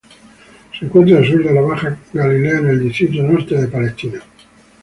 Se encuentra al sur de la Baja Galilea en el Distrito Norte de Israel.